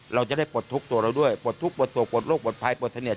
เราจะได้ปลดทุกข์ตัวเราด้วยปลดทุกข์ปลดโศกปลดโลกปลอดภัยปลดเท็